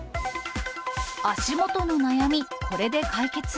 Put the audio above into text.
足元の悩み、これで解決？